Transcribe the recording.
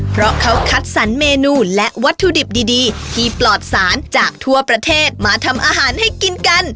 เพราะเขาคัดสรรเมนูและวัตถุดิบดีที่ปลอดสารจากทั่วประเทศมาทำอาหารให้กินกัน